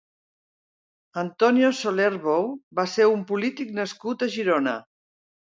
Antonio Soler Bou va ser un polític nascut a Girona.